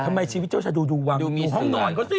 ทำไมชีวิตเจ้าชายดูห้องนอนก็สิ